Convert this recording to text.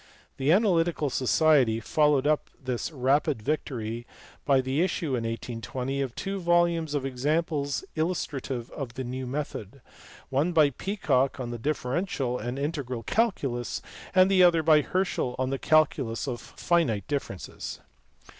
The Analytical Society followed up this rapid victory by the issue in 1820 of two volumes of examples illustrative of the new method; one by Peacock on the differential and integral calculus, and the other by Herschel on the calculus of finite differences.